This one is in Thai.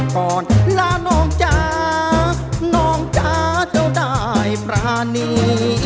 ก่อนลาน้องจ๊ะน้องจ๊ะเจ้าได้ปรานี